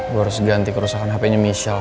gue harus ganti kerusakan hapenya michelle